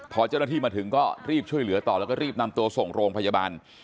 พอเจ้าหน้าที่มาถึงก็รีบช่วยเหลือต่อแล้วก็รีบนำตัวส่งโรงพยาบาล